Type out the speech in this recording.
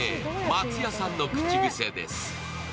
松也さんの口癖です。